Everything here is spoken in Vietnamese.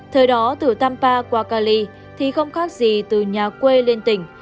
đấy là ảnh lúc năm hai nghìn bảy thì không khác gì từ nhà quê lên tỉnh